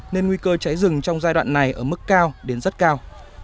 nên nguy cơ cháy rừng trong giai đoạn này ở mức cao đến rất cao